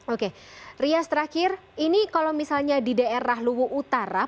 oke ria seterakhir